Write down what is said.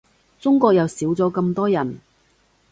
中國又少咗咁多人